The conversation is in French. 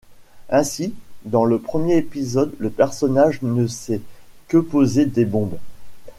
Ainsi, dans le premier épisode, le personnage ne sait que poser des bombes.